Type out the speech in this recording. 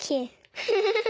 フフフフ。